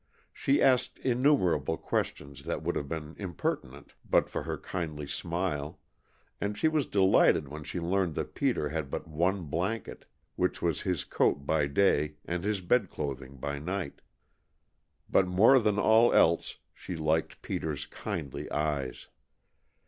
She asked innumerable questions that would have been impertinent but for her kindly smile, and she was delighted when she learned that Peter had but one blanket, which was his coat by day and his bed clothing by night. But more than all else she liked Peter's kindly eyes.